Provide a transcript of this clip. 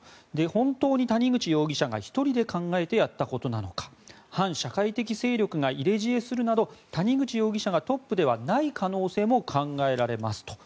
本当に谷口容疑者が１人で考えてやったことなのか反社会的勢力が入れ知恵するなど谷口容疑者がトップではない可能性も考えられますと。